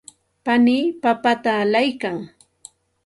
panii papata allaykan.